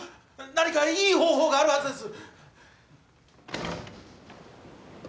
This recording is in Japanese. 何かいい方法があるはずです！